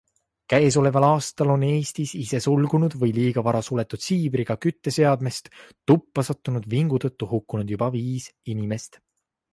Käesoleval aastal on Eestis isesulgunud või liiga vara suletud siibriga kütteseadmest tuppa sattunud vingu tõttu hukkunud juba viis inimest.